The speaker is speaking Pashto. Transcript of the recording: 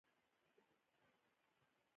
اوړه باید پاک وي